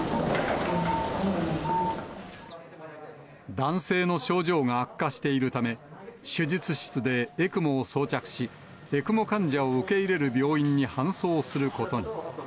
男性の症状が悪化しているため、手術室でＥＣＭＯを装着し、ＥＣＭＯ患者を受け入れる病院に搬送することに。